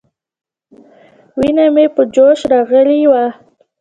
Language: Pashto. وينه مې په جوش راغلې وه.